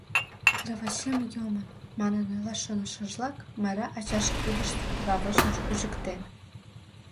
«Сравочем йомын» манын ойлаш шонышыжлак, Майра ачаж кидыш сравочым кучыктен.